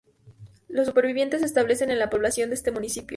Los supervivientes se establecen en la Población de este municipio.